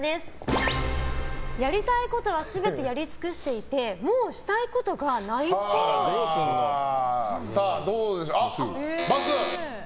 やりたいことは全てやり尽していてもうしたいことがないっぽい。×。